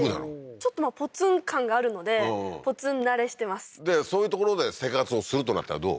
ちょっとまあポツン感があるのでポツン慣れしてますでそういう所で生活をするとなったらどう？